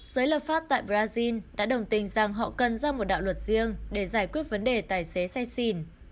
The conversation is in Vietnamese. giới lập pháp tại brazil đã đồng tình rằng họ cần ra một đạo luật riêng để giải quyết vấn đề tài xế say xỉn